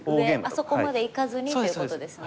あそこまでいかずにということですね。